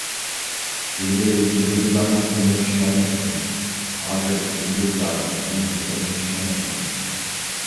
ئىلگىرى ئىنگلىزلارنىڭ تىلىنى چۈشىنەلمەيتتىم، ھازىر ئىنگلىزلار مېنىڭ گېپىمنى چۈشىنەلمەيۋاتىدۇ.